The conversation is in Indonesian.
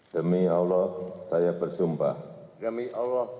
demi allah saya bersumpah